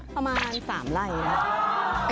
ประมาณ๓ไร่ครับ